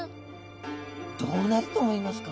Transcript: どうなると思いますか？